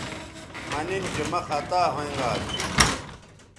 مہ نن چہ مہ خطا ھوینگا اسو